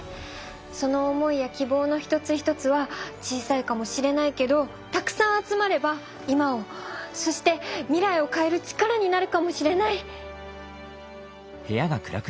その思いやきぼうの一つ一つは小さいかもしれないけどたくさん集まれば「今」をそして「みらい」をかえる力になるかもしれない。